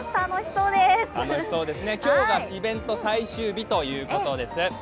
今日がイベント最終日ということです。